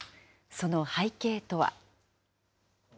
その背景とは。